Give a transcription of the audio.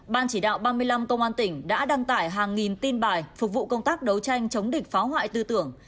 ban chỉ đạo ba mươi năm công an tỉnh đã đăng tải hàng nghìn tin bài phục vụ công tác đấu tranh chống địch phá hoại tư tưởng